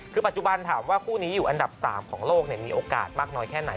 คือปัจจุบันถามว่าคู่นี้อยู่อันดับ๓ของโลกมีโอกาสมากน้อยแค่ไหน